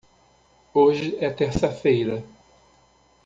Hoje é terça-feira.